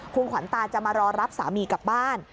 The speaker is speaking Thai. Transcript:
คุณขวัญตาจะมารอรับสามีกลับบ้าน